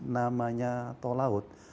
namanya tol laut